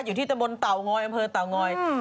อยู่ที่ตมนตาง้อยแอมเภอตาง้อย